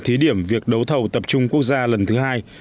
thí điểm việc đấu thầu tập trung quốc gia lần thứ hai